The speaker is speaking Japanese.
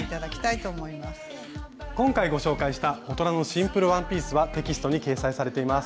今回ご紹介した大人のシンプルワンピースはテキストに掲載されています。